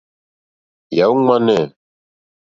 Yàɔ́ !ŋmánɛ́.